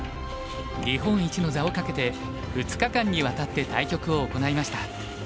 日本一の座を懸けて２日間にわたって対局を行いました。